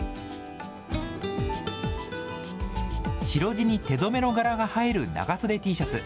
白地に手染めの柄が映える長袖Ｔシャツ。